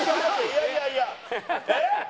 いやいやいやえっ？